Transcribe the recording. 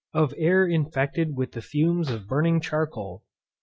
_Of AIR infected with the FUMES of BURNING CHARCOAL.